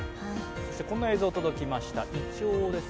こんな映像が届きました、いちょうです。